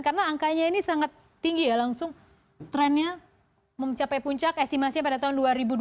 karena angkanya ini sangat tinggi ya langsung trennya mencapai puncak estimasinya pada tahun dua ribu dua puluh